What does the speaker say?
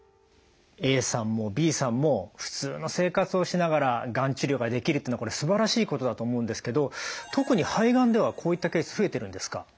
ＡさんもＢさんも普通の生活をしながらがん治療ができるってこれすばらしいことだと思うんですけど特に肺がんではこういったケース増えてるんですか？